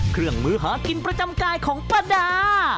เครื่องมือหากินประจำกายของป้าดา